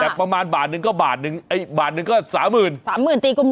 แต่ประมาณบาทนึงก็บาทหนึ่งไอ้บาทหนึ่งก็สามหมื่นสามหมื่นตีกลม